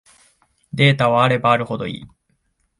データはあればあるほどいい